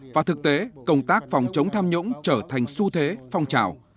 và thực tế công tác phòng chống tham nhũng trở thành xu thế phong trào